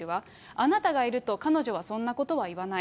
あなたがいると彼女はそんなことは言わない。